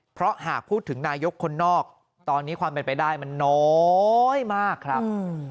เพราะหากพูดถึงนายกคนนอกตอนนี้ความเป็นไปได้มันน้อยมากครับ